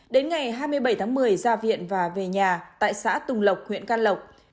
đến ngày hai mươi bảy một mươi ra viện và về nhà tại xã tùng lộc huyện căn lộc